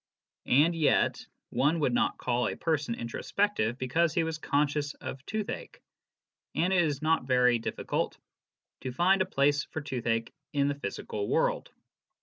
And yet one would not call a person introspective because he was conscious of tooth ache, and it is not very difficult to find a place for tooth ache in the physical world.